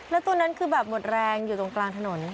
แล้วตัวนั้นคือแบบหมดแรงอยู่ตรงกลางถนน